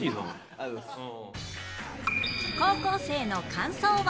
ありがとうございます。